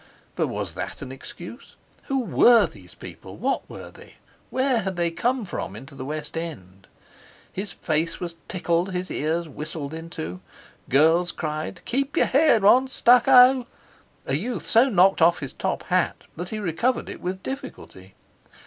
But was that an excuse? Who were these people, what were they, where had they come from into the West End? His face was tickled, his ears whistled into. Girls cried: "Keep your hair on, stucco!" A youth so knocked off his top hat that he recovered it with difficulty.